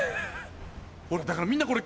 ほらだからみんなこれ。